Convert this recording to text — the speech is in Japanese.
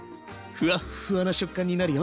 ふわっふわな食感になるよ。